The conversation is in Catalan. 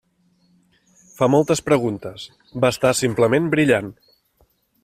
Fa moltes preguntes, va estar simplement brillant.